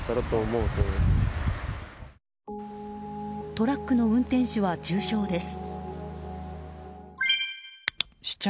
トラックの運転手は重傷です。